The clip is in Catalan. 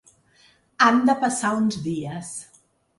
Han de passar uns dies.